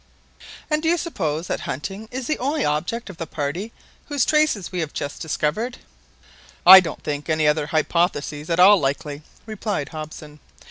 "And do you suppose that hunting is the only object of the party whose traces we have just discovered?" "I don't think any other hypotheses at all likely," replied Hobson.